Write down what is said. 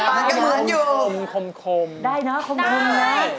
เป็นใครคะ